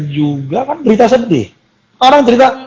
juga kan cerita sendiri orang cerita